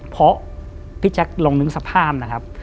เพราะพี่แจ๊คลองนึกสภาพนะครับ